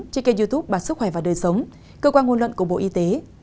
trên kênh youtube bà sức khỏe và đời sống cơ quan ngôn luận của bộ y tế